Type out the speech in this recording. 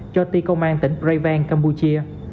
cho ti công an tỉnh preyvang campuchia